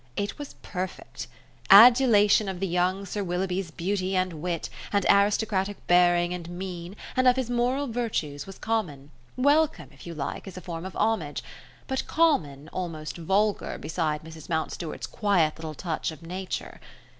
It was perfect! Adulation of the young Sir Willoughby's beauty and wit, and aristocratic bearing and mien, and of his moral virtues, was common; welcome if you like, as a form of homage; but common, almost vulgar, beside Mrs. Mountstuart's quiet little touch of nature.